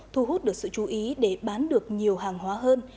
thu hút được sự chú ý để bán được nhiều hàng hóa hơn